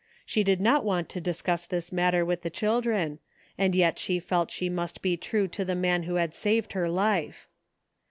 She did not want to discuss this matter with the children, and yet she felt that she must be true to the man who had saved her life.